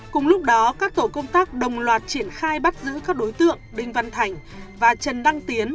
cùng lúc đó các tổ công tác đồng loạt triển khai bắt giữ các đối tượng đinh văn thành và trần đăng tiến